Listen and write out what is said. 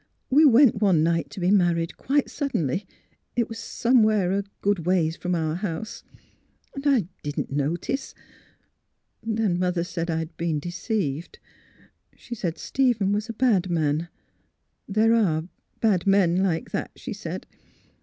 We went one night to be mar ried, quite suddenly; it was somewhere a good ways from our house. I didn't notice Then Mother said I had been deceived. She said Stephen was a bad man. There are — ^bad men like that, she said.